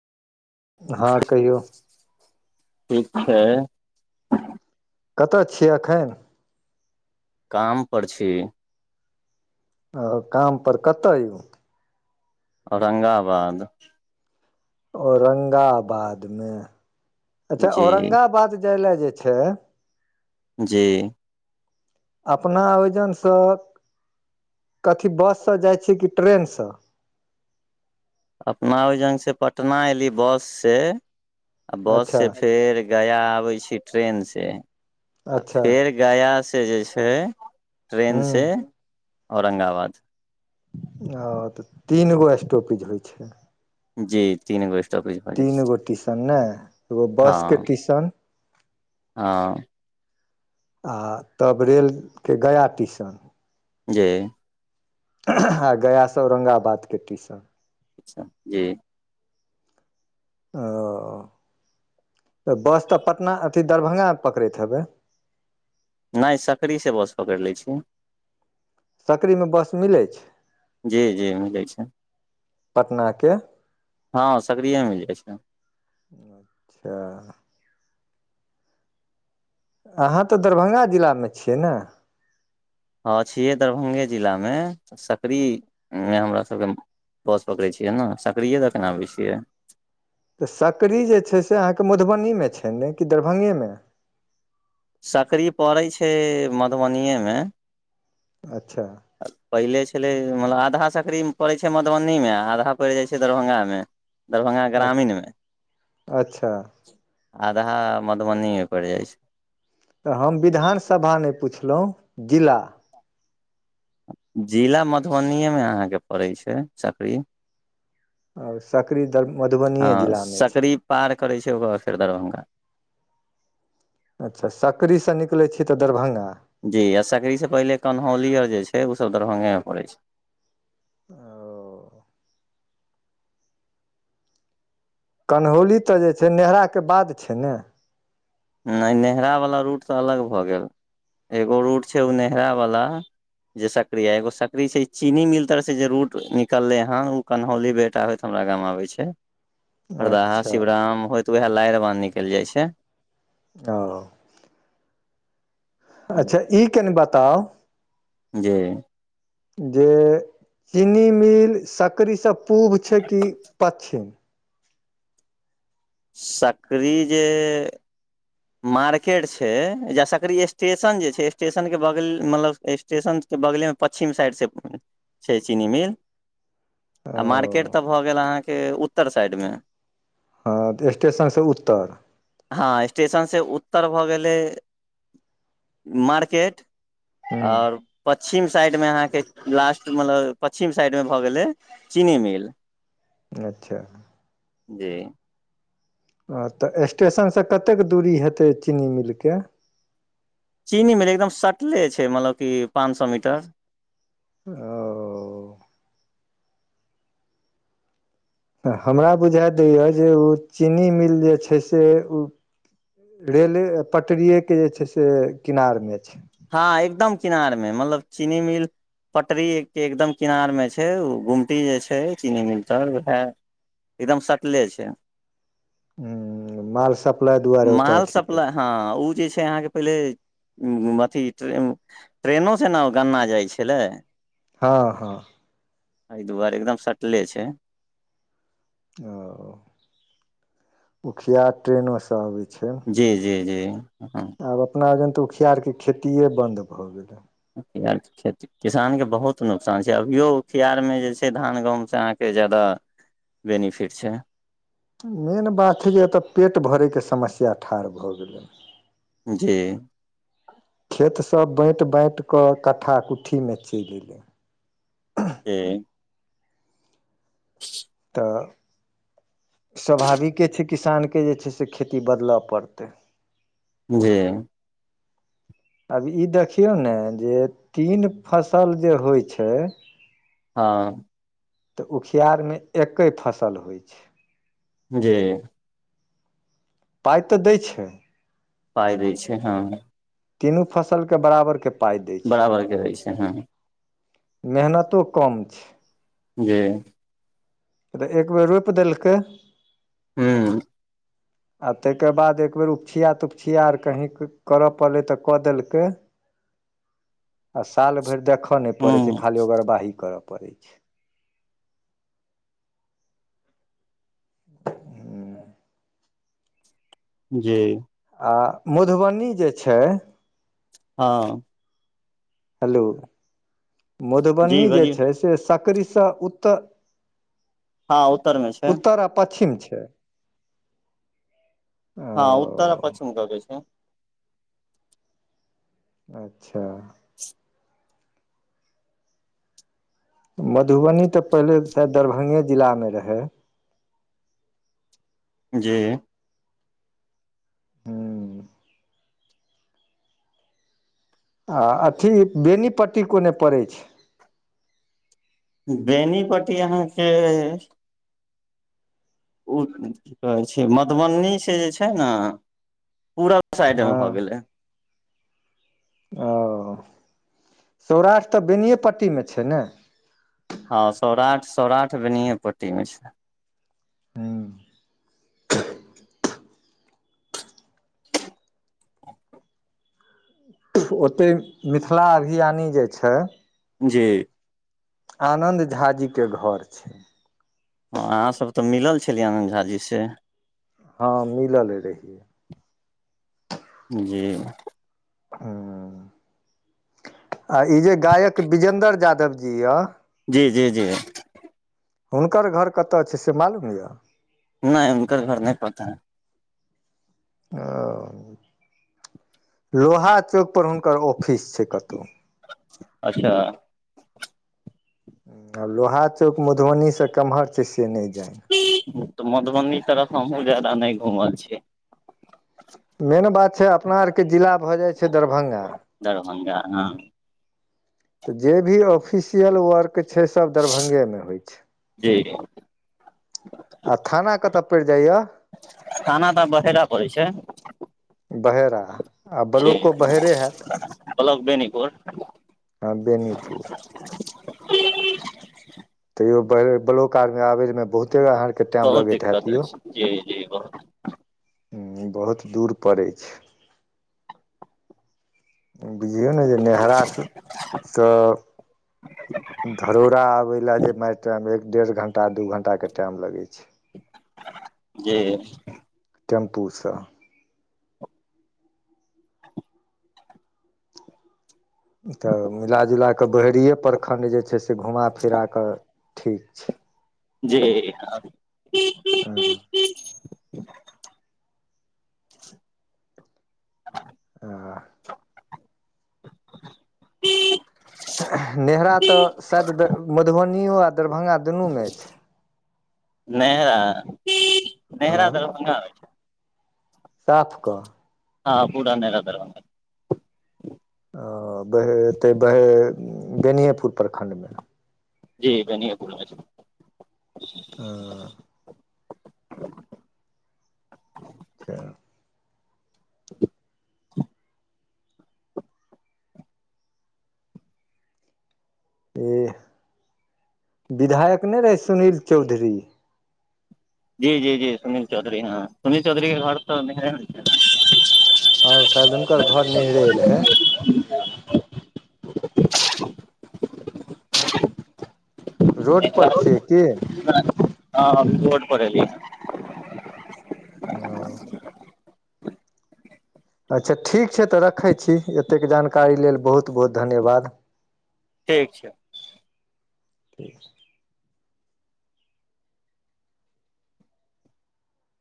हँ कहियौ ठीक छै कतय छियै एखन काम पर छी ओ काम पर कतय यौ औरंगाबाद औरंगाबाद मे अच्छा जी औरंगाबाद जाय ले जे छै जी अपना ओहिजनसँ कथी बस से जाइ छी कि ट्रेन से अपना ओहिजन सँ पटना एयली बस से आ बस अच्छा से फेर गया आबै छी ट्रेनसे आ अच्छा फेर गयासँ जे छै हूँ ट्रेनसे औरंगाबाद ओ तऽ तीन गो स्टोपेज होइ छै जी तीन गो स्टोपेज तीन गो टिशन ने एगो हँ बस के टिशन हँ आ तब रेलके गया टीशन जी आ गयासँ औरंगाबादके टीशन अच्छा जी ओ तऽ बस तऽ पटना अथी दरभंगामे पकड़ैत हेबै नहि सकरीसे बस पकड़ि लै छी सकरीमे बस मिलै छै जी जी मिलै छै पटनाके हँ सकरीये मे मिल जाइ छै अच्छा अहाँ तऽ दरभंगा जिलामे छियै ने हँ छियै दरभंगे जिलामे सकरीमे हमरासभके बस पकड़े छियै ने सकरीए दऽ के न आबै छियै तऽ सकरी जे छै से अहाँके मधुबनीमे छै ने कि दरभंगेमे सकरी पड़ैत छै मधुबनिएमे अच्छा पहिले छलै मतलब आधा सकरी पड़ै छै मधुबनीमे आधा पड़ि जाइ छै दरभंगामे दरभंगा ग्रामीणमे अच्छा आधा मधुबनीमे पड़ि जाइ छै तऽ हम विधानसभा नहि पुछलौं जिला जिला मधुबनिएमे अहाँके पड़ैत छै सकरी आ सकरी दर हँ मधुबनीये जिला मे छै सकरी पार करै छै ओकर बाद फेर दरभंगा अच्छा सकरीसे निकलै छियै तऽ दरभंगा जी आ सकरीसँ पहिले कन्हौली आर जे छै ओसभ दरभंगा मे पड़ैत छै ओ कन्हौली तऽ जे छै नेहराके बाद छै ने नहि नेहरावला रूट तऽ अलग भऽ गेल एगो रूट छै ओ नेहरावला जे सकड़ी है एगो सकड़ी छै चीनी मिलतर से जे रूट निकलले हन उ कन्हौली बेटा होइत हमरा गाम आबै छै हरदाहा अच्छा शिवराम होइत वएह लारि बाँध निकलि जाइ छै ओ अच्छा ई कनि बताउ जे जे चीनी मिल सकरीसँ पूर्व छैय कि पश्चिम? सकरी जे मार्केट छैय जा सकरी स्टेशन जे छैय स्टेशन के बगल मतलब स्टे स्टेशन के बगले मे पश्चिम साइड से। [inaudible] छै चीनी मिल। आ मार्केट ओ तऽ भऽ गेल अहाँके उत्तर साइडमे। अ त स्टेशनसँ उत्तर। हँ स्टेशनसँ उत्तर भऽ गेलै मार्केट हूँ और पच्छिम साइडमे अहाँके लास्ट मतलब पच्छिम साइडमे भऽ गेलै चीनी मिल। अच्छा जी ह तऽ स्टेशनसँ कतेक दूरी हेतै चीनी मिलके? चीनी मिल एकदम सटले छैय मतलब कि पाँच सौ मीटर। ओ तऽ हमरा बुझा दैअ जे ओ चीनी मिल जे छैय से ओ रेले पटरियेके जे छैय से किनारमे छैय। हँ एकदम किनार मे मतलब चीनी मिल पटरीयेके एकदम किनार में छैय ओ गुमटी जे छैय चीनी मिलतर वहै एकदम सटले छैय, हूँ माल सप्लाइ दुआरे ओतऽ माल अथी भेल सप्ला हँ उ जे छैय अहाँके पहिले ऊ अथी ट ट्रेनो से न गन्ना जाइ छलै। हँ हँ एहि दुआरे एकदम सटले छैय। ओ उखियार ट्रेनोसँ आबै छैय। जी जी जी ह आब अपना जन त उखियारके खेतिये बन्द भऽ गेलै। उखियार के खेति किसानके बहुत नुकसान छैय अभियो उखियारमे जे छैय धान गहूमसँ अहाँके ज्यादा बेनिफिट छैय। मेन बात हय जे एत पेट भरैके समस्या ठाढ़ भऽ गेलै। जी खेतसब बाँटि बाँटिकऽ कट्ठा कुट्ठीमे चलि एलय। ए तऽ स्वाभाविके छैय किसानके जे छैय से खेती बदलऽ पड़तै। जी आब ई देखियौ ने जे तीन फसल जे होइ छैय। हँ तऽ उखियारमे एके फसल होइ छैय। जी पाइ तऽ दै छैय। पाइ दै छैय हँ। तीनू फसल के बराबर के पाइ दै छैय। बराबरके दै छै हँ मेहनतो कम छैय। जी तऽ एक बेर रोपि देलकै हूँ आ तइके बाद एक बेर उपछिया तुपछिया आर कहीँ करय पड़लै तऽ कऽ देलकै आ साल भरि देखऽ नइ पड़ै छै हूँ खाली ओगरवाही करऽ पड़ै छै छै जी आ मधुबनी जे छै हँ हेलो जी मधुबनी जे बजियौ छै से सकरी सँ उत्तर हँ उत्तर मे छै पछिम छै हँ उत्तर आ ओ पछमे गबै छै अच्छा मधुबनी तऽ पहिले शायद दरभंगे जिला मे रहै जी हू आ अथी बेनीपट्टी कोने पड़ै छै बेनीपट्टी अहाँके उ की कहै छै मधुबनी से जे छै ने पूरा साइड मे हँ भऽ गेलय ओ सौराष्ट्र तऽ बेनिएपट्टीमे छै ने हँ सौराठ सौराठ बेनिएपट्टी मे छै हूँ [inaudible] ओतय मिथिला अभियानी जे छै जी आनन्द झा जी के घर छै हँ अहाँसभ तऽ मिलल छलियै आनन्द झा जी से हँ मिलल रहियए जी ह आ ई जे गायक विजयेन्दर जादव जी यऽ जी जी जी हुनकर घर कतय छै से मालूम यऽ नहि हुनकर घर कें नहि पता ओ लोहा चौक पर हुनकर ऑफिस छै कतहु अच्छा लोहा चौक मधुबनी सँ कम्हर छै से नहि जानि मधुबनी तरफ हमहुूँ जादा नहि घुमल छी मेन बात छै अपना आरके जिला भऽ जाइ छै दरभंगा दरभ्ंगा हँ तऽ जे भी ऑफिसियल वर्क छै सब दरभंगे मे होइ छै जी आ थाना कतय पड़ि जाइया थाना तऽ बहेरा पड़ै छै बहेरा आ जी ब्लॉको बहेरे हायत ब्लॉक बेनीपुर ह बेनीपुर तैयो ब्लॉक आर मे आबे मे बहुते आहाँर के टाइम बहुत लगैत दिक्कत हयत होइ यो छै जी जी ब ह बहुत दूर पड़ै छै बुझियौ ने जे नेहरा सँ धरौरा आबय लए जे मार टामे एक डेढ़ घंटा दू घंटाके टाइम लगै छै जी टेम्पू सँ तऽ मिल जुला कऽ बोहरिए प्रखण्ड जे छै से घुमा फिरा कऽ ठीक छै जी [inaudible] ऊ नेहरा तऽ शायद मधुबनियो आ दरभंगा दुनूमे छै नहरा नेहरा हँ दरभंगा साफ कऽ हँ बुरा नै लगल ओ बहे एतै बहे बेनिएपुर प्रखण्डमे जी बेनीपुर छै ह अच्छा इ विधायक नहि रहे सुनील चौधरी जी जी जी सुनील चौधरी हँ सुनील चौधरी के घर त मिथिल मे छै हँ शायद हुनकर घर नेहरे रहै रोड पर छियै की हँ हँ रोड पर एलिये ओ अच्छा ठीक छै तऽ रखै छी एतेक जानकारी लेल बहुत बहुत धन्यवाद ठीक छै ठीक